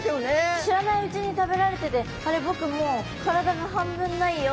知らないうちに食べられてて「あれ僕もう体が半分ないよ」みたいな。